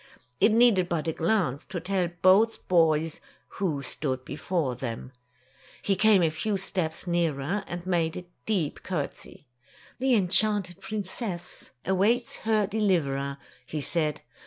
It needed but a glance to tell both boys who stood before them. He came a few steps nearer and made a deep courtesy. "The enchanted princess awaits her deliverer," he said.